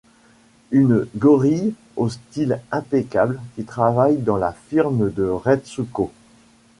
Une gorille au style impeccable qui travaille dans la firme de Retsuko.